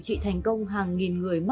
nhằm tăng khả năng hồi phục sớm